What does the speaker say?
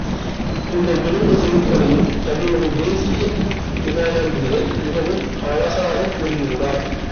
இந்த இரண்டு செய்திகளையும் கவிமணி தேசிக விநாயகம்பிள்ளை மிகவும் அழகாகக் கூறியுள்ளார்.